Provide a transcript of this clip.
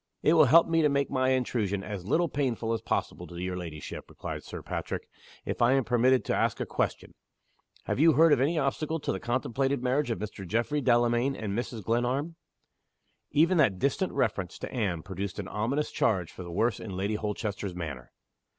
"It will help me to make my intrusion as little painful as possible to your ladyship," replied Sir Patrick, "if I am permitted to ask a question. Have you heard of any obstacle to the contemplated marriage of Mr. Geoffrey Delamayn and Mrs. Glenarm?" Even that distant reference to Anne produced an ominous change for the worse in Lady Holchester's manner.